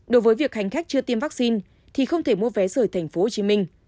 đối với việc hành khách chưa tiêm vaccine thì không thể mua vé rời tp hcm